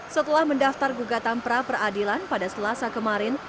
setelah mendaftar gugatan praperadilan pada selasa kemarin